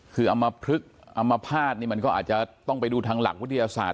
คืออำมพลึกอำมภาษณ์นี่มันก็อาจจะต้องไปดูทางหลักวิทยาศาสต